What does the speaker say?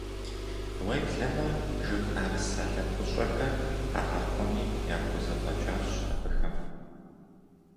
Уеблэмэ, жыг ӏэрысэ лъэпкъыщӏэхэр къагъэхъуни яхузэфӏэкӏащ абыхэм.